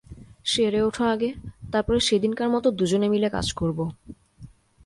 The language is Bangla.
সেরে ওঠ আগে, তার পরে সেদিনকার মতো দুজনে মিলে কাজ করব।